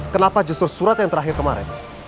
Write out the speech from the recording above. kenapa justru surat yang terakhir kemarin